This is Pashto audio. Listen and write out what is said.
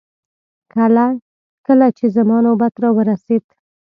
کله چې زما نوبت راورسېد.